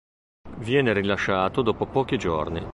Viene rilasciato dopo pochi giorni.